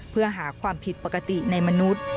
เพื่อหาความผิดปกติในมนุษย์